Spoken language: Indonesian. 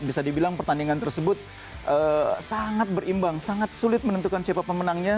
bisa dibilang pertandingan tersebut sangat berimbang sangat sulit menentukan siapa pemenangnya